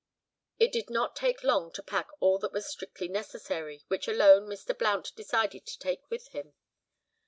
It did not take long to pack all that was strictly necessary, which alone Mr. Blount decided to take with him.